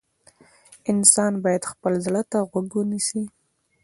انسان باید خپل زړه ته غوږ ونیسي.